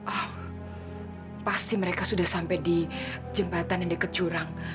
oh pasti mereka sudah sampai di jembatan yang dekat curang